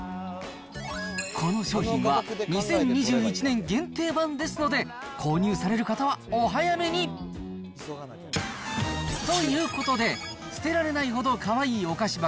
この商品は２０２１年限定版ですので、購入される方はお早めに。ということで、捨てられないほどかわいいお菓子箱